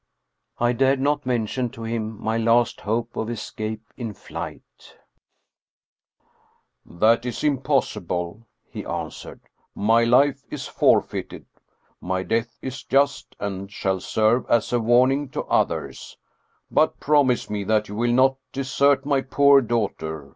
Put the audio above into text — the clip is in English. (I dared not mention to him my last hope of escape in flight.) 297 Scandinavian Mystery Stories " That is impossible," he answered. " My life is forfeited. My death is just, and shall serve as a warning to others. But promise me that you will not desert my poor daughter.